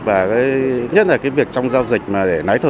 và nhất là cái việc trong giao dịch mà để lái thử